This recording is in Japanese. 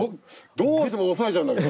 どうしても押さえちゃうんだけど。